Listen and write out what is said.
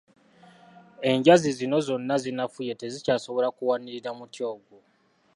Enjazi zino zonna zinafuye tezikyasobola kuwanirira muti ogwo.